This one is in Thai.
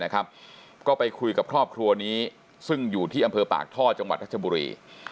ก็ไปคุยกับครอบครัวนี้ซึ่งอยู่ที่อำเภอปากท่อจังหวัดรัชบุรี